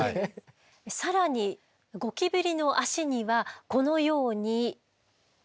更にゴキブリの足にはこのように。